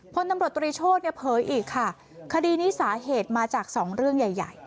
พลตำรวจตรีโชธเนี่ยเผยอีกค่ะคดีนี้สาเหตุมาจากสองเรื่องใหญ่ใหญ่